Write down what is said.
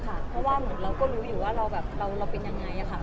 เพราะว่าเหมือนเราก็รู้อยู่ว่าเราเป็นยังไงค่ะ